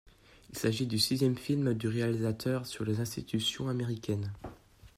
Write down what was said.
Il s'agit du sixième film du réalisateur sur les institutions américaines.